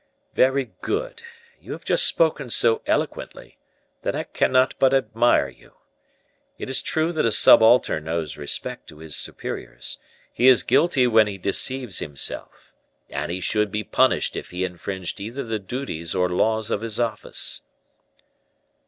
"Very good; you have just spoken so eloquently, that I cannot but admire you. It is true that a subaltern owes respect to his superiors; he is guilty when he deceives himself, and he should be punished if he infringed either the duties or laws of his office."